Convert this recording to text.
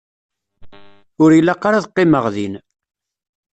Ur ilaq ara ad qqimeɣ din.